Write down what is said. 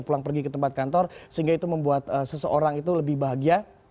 pulang pergi ke tempat kantor sehingga itu membuat seseorang itu lebih bahagia